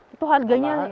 itu harganya tinggi